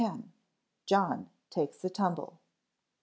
_John Takes a Tumble.